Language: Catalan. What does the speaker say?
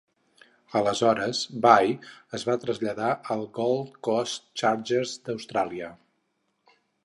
Aleshores Bai es va traslladar als Gold Coast Chargers d'Austràlia.